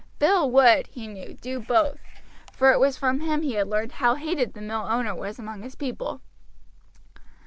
Bill would, he knew, do both, for it was from him he had learned how hated the mill owner was among his people.